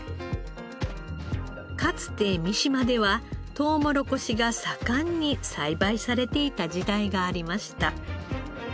かつて三島ではとうもろこしが盛んに栽培されていた時代がありました。